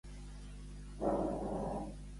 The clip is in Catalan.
Què ha asseverat Ada d'aquesta situació?